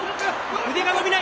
腕が伸びない。